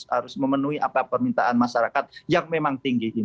harus memenuhi apa permintaan masyarakat yang memang tinggi